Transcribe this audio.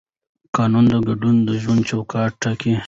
قانون د ګډ ژوند چوکاټ ټاکي.